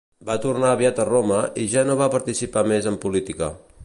Va tornar aviat a Roma i ja no va participar més en política.